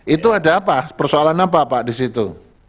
itu ada apa persoalan apa pak di situ